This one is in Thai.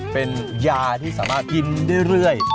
เป็นยาที่สามารถกินเรื่อย